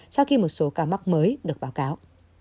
sau khi một số ca mắc mới được báo cáo